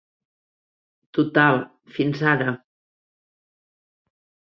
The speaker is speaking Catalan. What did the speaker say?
Total, fins ara.